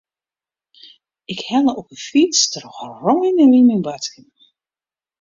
Ik helle op 'e fyts troch rein en wyn myn boadskippen.